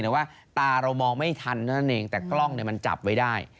ว่าตาเรามองไม่ทันนั่นเองแต่กล้องเนี่ยมันจับไว้ได้